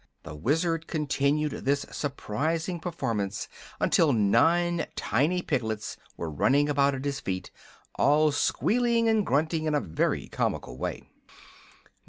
The Wizard continued this surprising performance until nine tiny piglets were running about at his feet, all squealing and grunting in a very comical way.